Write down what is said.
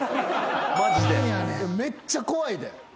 めっちゃ怖いで。